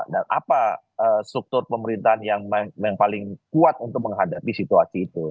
dan apa struktur pemerintahan yang paling kuat untuk menghadapi situasi itu